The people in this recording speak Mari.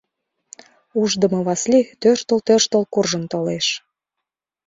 Ушдымо Васлий тӧрштыл-тӧрштыл куржын толеш.